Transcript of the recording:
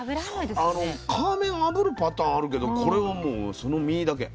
皮目をあぶるパターンあるけどこれはもうその身だけ。